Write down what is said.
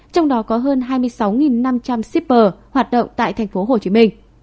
trong đó có hơn hai mươi sáu năm trăm linh shipper hoạt động tại tp hcm